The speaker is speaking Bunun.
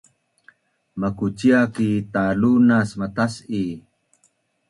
makucia ki talunas matas’i